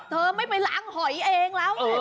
เธอไม่ไปล้างหอยเองแล้ว